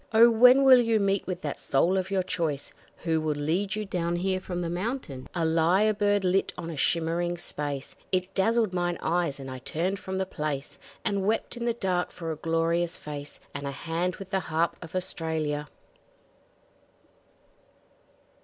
Oh! when will you meet with that soul of your choice, Who will lead you down here from the mountains? A lyre bird lit on a shimmering space; It dazzled mine eyes and I turned from the place, And wept in the dark for a glorious face, And a hand with the Harp of Australia!